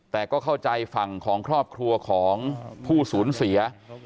แต่ก็เข้าใจฝั่งของครอบครัวของผู้สูญเสีย